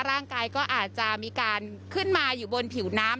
ร่างกายก็อาจจะมีการขึ้นมาอยู่บนผิวน้ำ